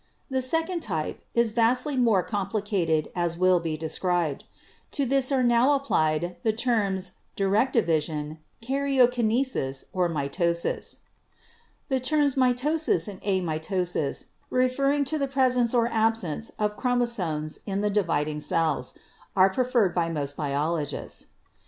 The second type is vastly more com plicated, as will be described. To this are now applied the terms 'direct division,' 'karyokinesis' or 'mitosis.' The terms mitosis and amitosis (referring to the presence or absence of chromosomes in the dividing cells) are pre ferred by most biologists.